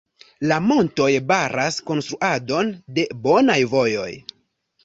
La montoj baras konstruadon de bonaj vojoj.